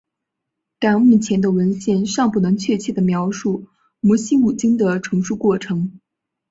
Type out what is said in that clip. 但目前的文献尚不能确切地描述摩西五经的成书过程。